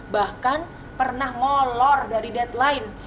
bahkan pernah ngolor dari deadline